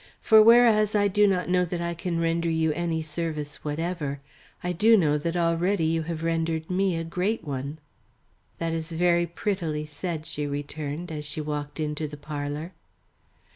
For whereas I do not know that I can render you any service whatever, I do know that already you have rendered me a great one." "That is very prettily said," she returned, as she walked into the parlour.